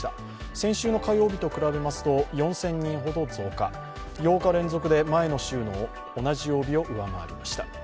先週の火曜日と比べますと４０００人ほど増加、８日連続で前の週の同じ曜日を上回りました。